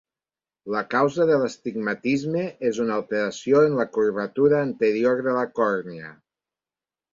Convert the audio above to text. La causa de l'astigmatisme és una alteració en la curvatura anterior de la còrnia.